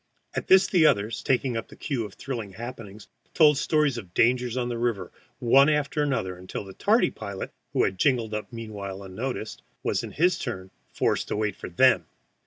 At this the others, taking up the cue of thrilling happenings, told stories of dangers on the river one after another until the tardy pilot, who had jingled up meanwhile unnoticed, was in his turn forced to wait for them.